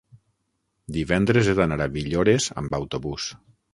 Divendres he d'anar a Villores amb autobús.